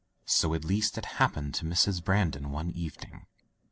So, at least, it happened to Mrs. Brandon one evening.